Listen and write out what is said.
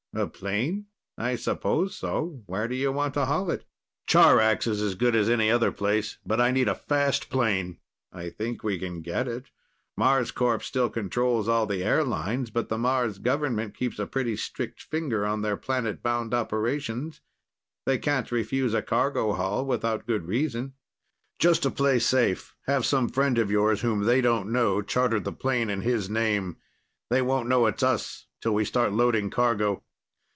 "A plane? I suppose so. Where do you want to haul it?" "Charax is as good as any other place. But I need a fast plane." "I think we can get it. Marscorp still controls all the airlines, but the Mars government keeps a pretty strict finger on their planetbound operations. They can't refuse a cargo haul without good reason." "Just to play safe, have some friend of yours whom they don't know, charter the plane in his name. They won't know it's us till we start loading cargo."